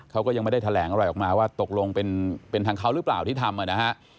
เขาก็ยังไม่ได้แถลงอะไรออกมาว่าตกลงเป็นทางเขาหรือเปล่าที่ทำนะฮะ